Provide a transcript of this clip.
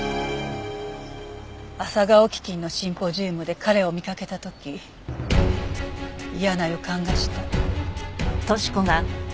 あさがお基金のシンポジウムで彼を見かけた時嫌な予感がした。